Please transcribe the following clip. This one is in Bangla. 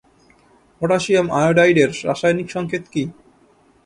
পটাশিয়াম আয়োডাইডের রাসায়নিক সংকেত কী?